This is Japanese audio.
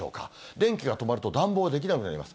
電気が止まると暖房ができなくなります。